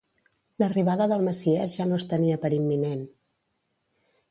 L'arribada del messies ja no es tenia per imminent.